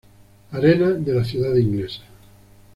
Arena de la ciudad inglesa.